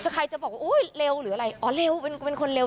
ใครจะบอกว่าโอ้ยเร็วหรืออะไรอ๋อเร็วเป็นคนเร็ว